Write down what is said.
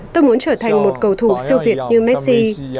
tôi muốn trở thành một cầu thủ siêu việt như messi